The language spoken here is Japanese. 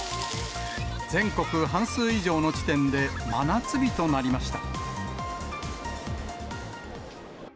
全国半数以上の地点で真夏日となりました。